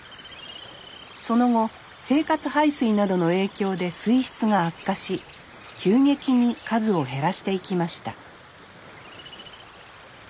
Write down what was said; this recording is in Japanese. その後生活排水などの影響で水質が悪化し急激に数を減らしていきました